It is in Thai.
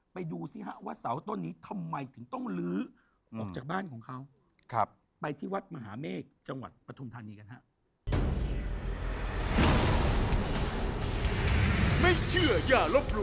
ไปดูซิฮะว่าเสาต้นนี้ทำไมถึงต้องลื้อออกจากบ้านของเขาไปที่วัดมหาเมฆจังหวัดปฐุมธานีกันฮะ